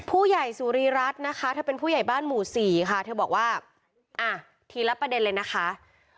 ผู้ใหญ่สุรีรัฐนะคะเธอเป็นผู้ใหญ่บ้านหมู่สี่ค่ะเธอบอกว่าอ่ะทีละประเด็นเลยนะคะ